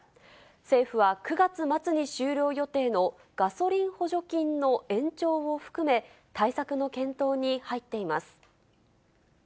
政府は９月末に終了予定のガソリン補助金の延長を含め、対策の検討に入っています。